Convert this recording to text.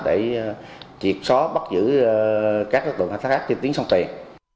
để triệt só bắt giữ các đối tượng khai thác các trên tiếng sông tiền